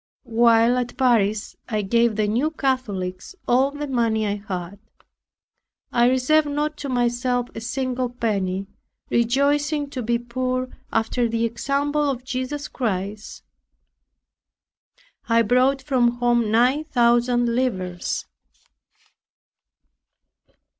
While at Paris I gave the New Catholics all the money I had. I reserved not to myself a single penny, rejoicing to be poor after the example of Jesus Christ. I brought from home nine thousand livres.